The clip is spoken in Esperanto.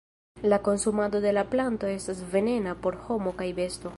La konsumado de la planto estas venena por homo kaj besto.